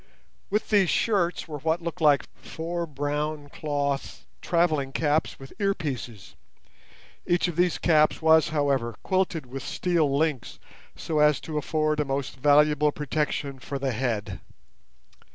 With these shirts were what looked like four brown cloth travelling caps with ear pieces. Each of these caps was, however, quilted with steel links so as to afford a most valuable protection for the head.